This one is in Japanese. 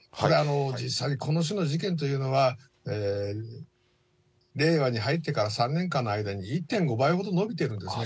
実際にこの種の事件というのは、令和に入ってから３年間の間に１．５倍ほど増えているんですね。